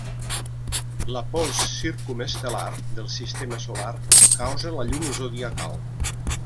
La pols circumestel·lar del Sistema solar causa la llum zodiacal.